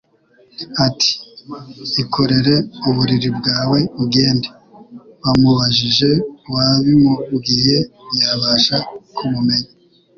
ati: ikorere uburiri bwawe ugende». Bamubajije uwabimubwiye ntiyabasha kumumenya.